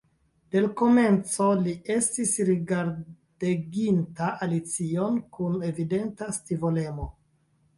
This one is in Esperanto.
De l' komenco li estis rigardeginta Alicion kun evidenta scivolemo.